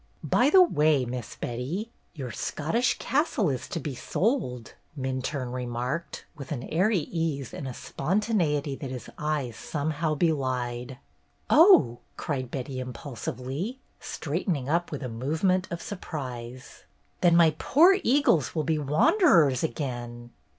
'' By the way. Miss Betty, your Scottish cas tle is to be sold," Minturne remarked, with an airy ease and a spontaneity that his eyes somehow belied. ''Oh!" cried Betty, impulsively, straight ening up with a movement of surprise. "Then my poor eagles will be wanderers again!"